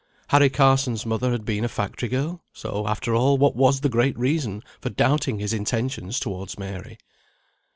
Harry Carson's mother had been a factory girl; so, after all, what was the great reason for doubting his intentions towards Mary?